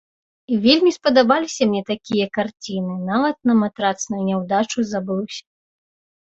Вельмі спадабаліся мне такія карціны, нават на матрацную няўдачу забыўся.